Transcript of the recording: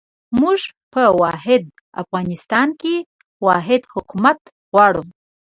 موږ په واحد افغانستان کې واحد حکومت غواړو.